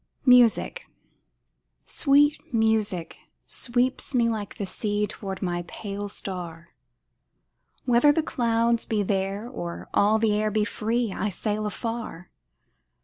MUSIC Sweet music sweeps me like the sea Toward my pale star, Whether the clouds be there or all the air be free I sail afar.